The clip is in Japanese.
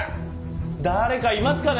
誰かいますかね？